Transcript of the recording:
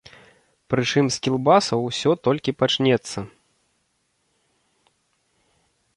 Прычым з кілбасаў усё толькі пачнецца.